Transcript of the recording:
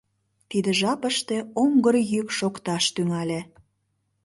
Тиде жапыште оҥгыр йӱк шокташ тӱҥале.